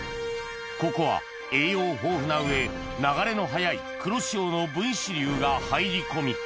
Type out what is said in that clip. ここは栄養豊富な上流れの速い黒潮の分支流が入り込み